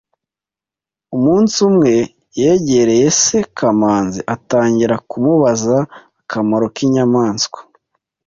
Umunsi umwe, yegereye se Kamanzi atangira kumubaza akamaro k’inyamaswa